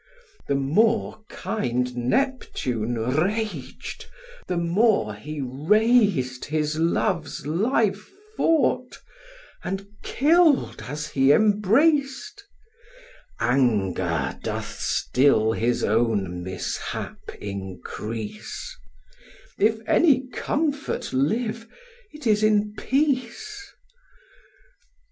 The more kind Neptune rag'd, the more he raz'd His love's life fort, and kill'd as he embrac'd: Anger doth still his own mishap increase; If any comfort live, it is in peace.